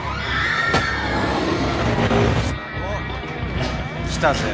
おっ来たぜ。